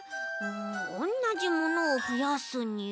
おんなじものをふやすには。